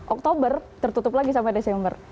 oktober tertutup lagi sampai desember